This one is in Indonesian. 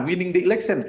menang di eleksi